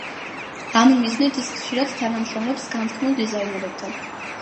ამ მიზნით იხ ხშირად თანამშრომლობს განთქმულ დიზაინერებთან.